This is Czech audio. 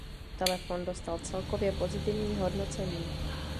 Telefon dostal celkově pozitivní hodnocení.